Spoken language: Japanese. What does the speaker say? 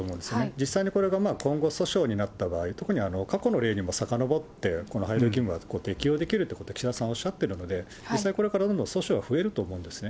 実際にこれが、今後、訴訟になった場合、特に、過去の例にもさかのぼって、この配慮義務は適用できるということを岸田さんはおっしゃってるんで、実際、これからどんどん訴訟が増えると思うんですね。